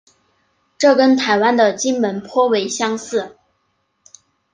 这跟台湾的金门颇为相似。